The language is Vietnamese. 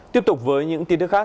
tiếp tục với những tin tức khác